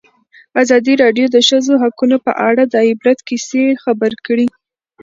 ازادي راډیو د د ښځو حقونه په اړه د عبرت کیسې خبر کړي.